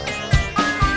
kini udah semana gini